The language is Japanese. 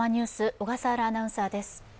小笠原アナウンサーです。